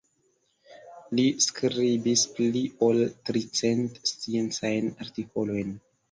Li skribis pli ol tricent sciencajn artikolojn.